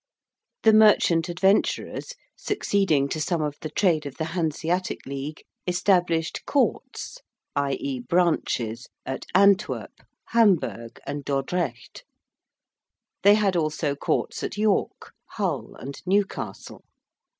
The merchant adventurers succeeding to some of the trade of the Hanseatic League, established 'courts,' i.e. branches at Antwerp, Hamburg, and Dordrecht: they had also courts at York, Hull, and Newcastle.